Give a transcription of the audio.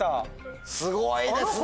すごいですね。